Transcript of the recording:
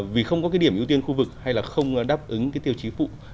vì không có cái điểm ưu tiên khu vực hay là không đáp ứng cái tiêu chí phụ